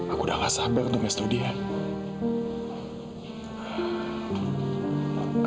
aku udah gak sabar untuk mestudian